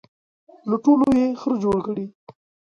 له ټولو یې خره جوړ کړي.